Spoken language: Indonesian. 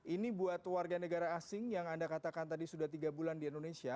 ini buat warga negara asing yang anda katakan tadi sudah tiga bulan di indonesia